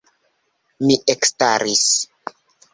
Mi ekstaris.